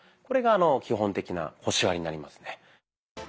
これが基本的な腰割りになりますね。